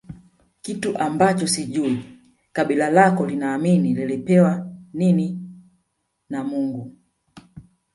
Kitu ambacho sijui kabila lako linaamini lilipewa nini na Mungu